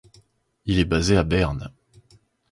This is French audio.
Il est basé à Berne.